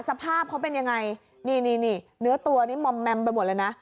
สภาพเขาเป็นยังไงนี่นี่เนื้อตัวนี้มอมแมมไปหมดเลยนะ